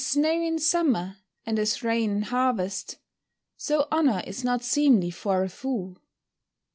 [Verse: "As snow in summer, and as rain in harvest; so honour is not seemly for a fool."